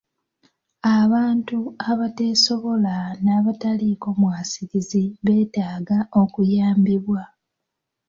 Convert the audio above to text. Abantu abateesobola n'abataliiko mwasirizi beetaaga okuyambibwa.